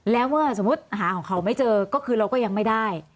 แล้วเมื่อสมมุติหาของเขาไม่เจอก็คือเราก็ยังไม่ได้